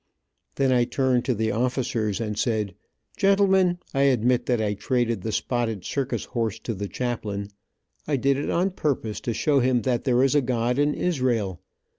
Then I turned to the officers and said, "Gentlemen, I admit that I traded the spotted circus horse to the chaplain. I did it on purpose to show him that there is a God in Israel.